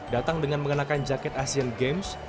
datang dengan mengenakan jaket asian games